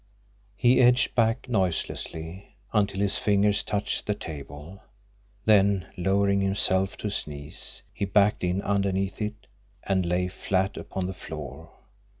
He edged back noiselessly until his fingers touched the table; then, lowering himself to his knees, he backed in underneath it, and lay flat upon the floor.